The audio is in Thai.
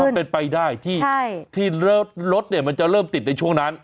มีความเป็นไปได้ที่รถมันจะเริ่มติดในช่วงนั้น